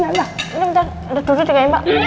ini apa ini bentar udah duduk juga ya mbak